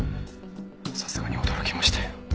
さすがに驚きましたよ。